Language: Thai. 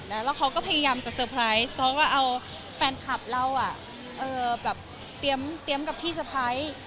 แล้วเขาก็พยายามจะเซอร์ไพรส์เขาก็เอาแฟนคลับเราเตรียมกับพี่สะพ้าย